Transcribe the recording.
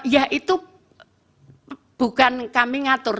ya itu bukan kami ngatur